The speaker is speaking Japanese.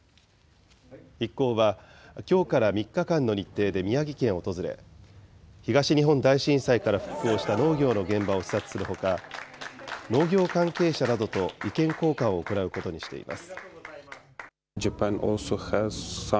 一行はきょうから３日間の日程で宮城県を訪れ、東日本大震災から復興した農業の現場を視察するほか、農業関係者などと意見交換を行うことにしています。